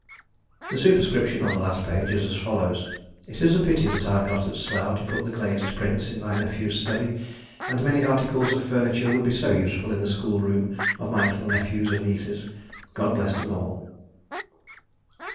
The superscription on the last page is as follows:— It is a pity that I am not at Slough to put the glazed prints in my nephew's study; and many articles of furniture would be so useful in the school room of my little nephews and nieces. God bless them all!